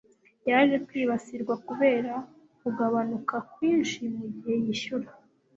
yaje kwibasirwa kubera kugabanuka kwinshi mugihe yishyura